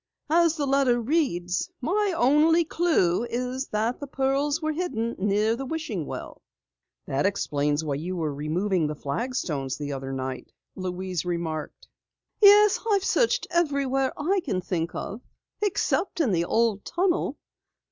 As the letter reads, my only clue is that the pearls were hidden near the wishing well." "That explains why you were removing the flagstones the other night," Louise remarked. "Yes, I've searched everywhere I can think of except in the old tunnel.